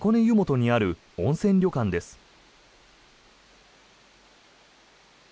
湯本にある温泉旅館です。